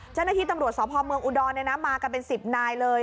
เจ้าหน้าที่ตำรวจสพเมืองอุดรมากันเป็น๑๐นายเลย